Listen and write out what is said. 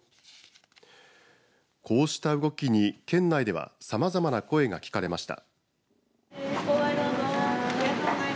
こうした動きに県内ではさまざまな声が聞かれました。